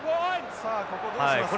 さあここどうしますか？